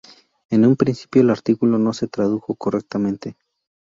En un principio, el artículo no se tradujo correctamente.